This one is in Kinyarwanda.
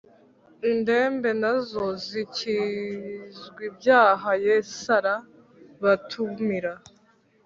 indembe, na zo zikizw’ ibyahayesarabatumira’